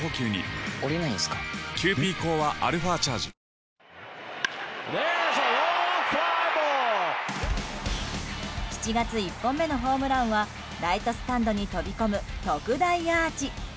トランシーノの最新美白美容液７月１本目のホームランはライトスタンドに飛び込む特大アーチ。